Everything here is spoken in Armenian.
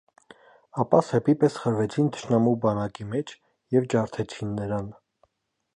Ապա սեպի պես խրվեցին թշնամու բանակի մեջ և ջարդեցին նրան։